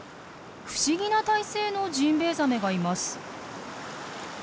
不思議な体勢のジンベエザメがいます。